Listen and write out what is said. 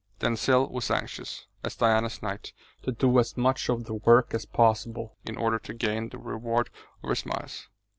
Denzil was anxious, as Diana's knight, to do as much of the work as possible in order to gain the reward of her smiles.